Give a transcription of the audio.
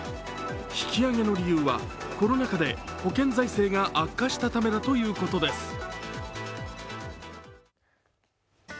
引き上げの理由はコロナ禍で保険財政が悪化したためだということです。